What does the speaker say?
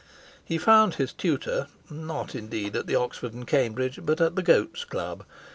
He found his "tutor," not indeed at the Oxford and Cambridge, but at the Goat's Club.